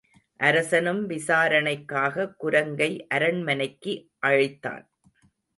அரசனும் விசாரணைக்காக குரங்கை அரண்மனைக்கு அழைத்தான்.